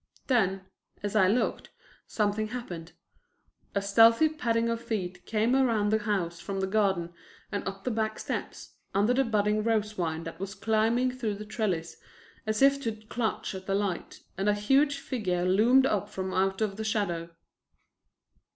Then, as I looked, something happened. A stealthy padding of feet came around the house from the garden and up the back steps, under the budding rose vine that was climbing through the trellis as if to clutch at the light, and a huge figure loomed up from out the shadow.